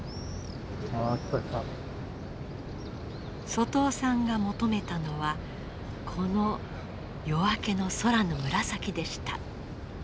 外尾さんが求めたのはこの夜明けの空の紫でした。